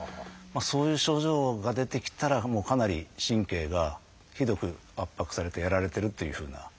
そういう症状が出てきたらもうかなり神経がひどく圧迫されてやられてるっていうふうな。